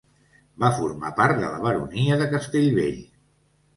Va formar part de la baronia de Castellvell.